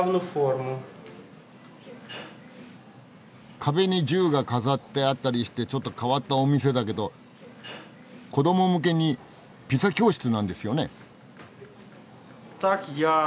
壁に銃が飾ってあったりしてちょっと変わったお店だけど子ども向けにピザ教室なんですよね？